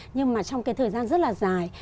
nhưng mà trong thời gian rất là dài